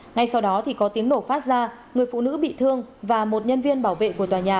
ngay sau đó thì có tiếng nổ phát ra người phụ nữ bị thương và một nhân viên bảo vệ của tòa nhà